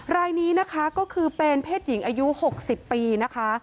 รายนี้นะคะก็คือเป็นเพศหญิงอายุ๖๐ปีนะคะ